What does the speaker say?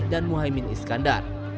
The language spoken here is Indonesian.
dan muhaymin iskandar